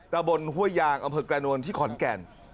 ระบบลห้วยยางอมฮึกกระนวนที่ขอนแกน